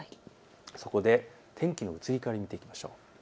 そこで天気の移り変わりを見ていきましょう。